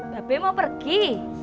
babe mau pergi